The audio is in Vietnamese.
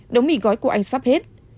đống mì gói của anh sắp hết